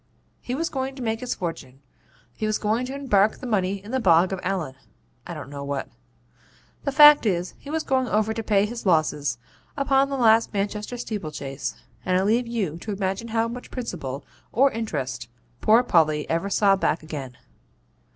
He was going to make his fortune; he was going to embark the money in the Bog of Allen I don't know what. The fact is, he was going to pay his losses upon the last Manchester steeple chase, and I leave you to imagine how much principal or interest poor Polly ever saw back again.